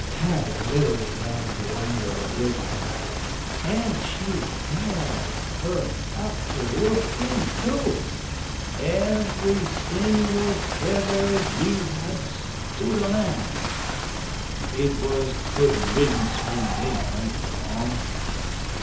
Had a little rag blunderer with her. An' she held her up to look in, too. Every single feather we had stood on end! It was good riddance when they went along.